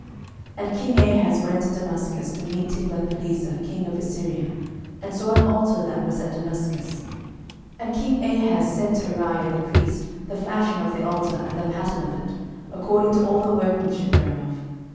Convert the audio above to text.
12:016:010 And king Ahaz went to Damascus to meet Tiglathpileser king of Assyria, and saw an altar that was at Damascus: and king Ahaz sent to Urijah the priest the fashion of the altar, and the pattern of it, according to all the workmanship thereof.